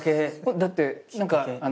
だって何かあの。